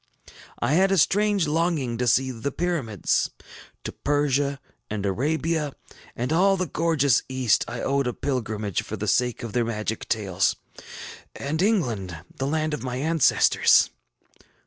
I had a strange longing to see the Pyramids. To Persia and Arabia, and all the gorgeous East, I owed a pilgrimage for the sake of their magic tales. And England, the land of my ancestors!